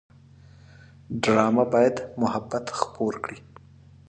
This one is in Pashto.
ډرامه باید محبت خپور کړي